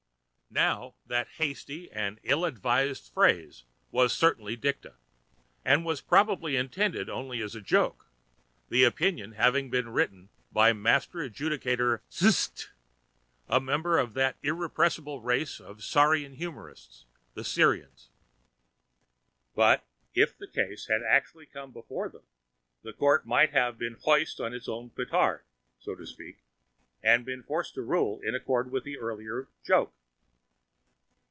Now that hasty and ill advised phrase was certainly dicta, and was probably intended only as a joke, the opinion having been written by Master Adjudicator Stsssts, a member of that irrepressible race of saurian humorists, the Sirians. But if the case had actually come before them, the Court might have been hoist on its own petard, so to speak, and been forced to rule in accord with its earlier "joke."